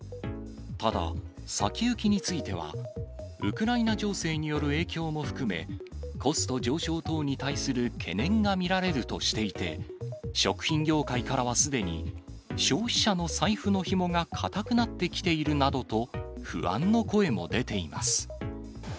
ただ、先行きについては、ウクライナ情勢による影響も含め、コスト上昇等に対する懸念が見られるとしていて、食品業界からはすでに、消費者の財布のひもが固くなってきているなどと、不安の声も出ています。